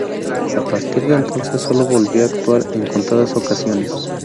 A partir de entonces sólo volvió a actuar en contadas ocasiones.